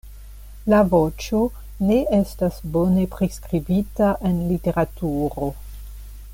La voĉo ne estas bone priskribita en literaturo.